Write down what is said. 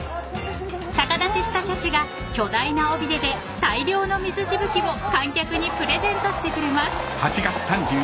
［逆立ちしたシャチが巨大な尾びれで大量の水しぶきを観客にプレゼントしてくれます］